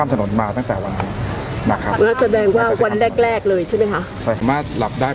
ไม่ครับไม่มีปัญหาและยาสลบไม่มีปัญหาเลย